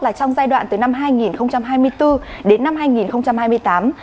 là trong giai đoạn từ năm hai nghìn hai mươi bốn hai nghìn hai mươi tám